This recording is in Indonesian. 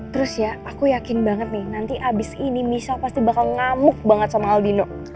terus ya aku yakin banget nih nanti abis ini michelle pasti bakal ngamuk banget sama aldino